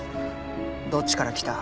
どっちから来た？